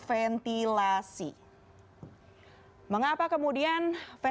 karena dengan memastikan sirkulasi dan perputaran udara yang baik di dalam suatu ruangan tertutup